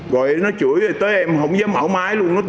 rồi nó chửi tới em không dám mở máy luôn